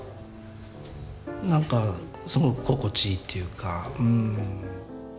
何かすごく心地いいっていうか。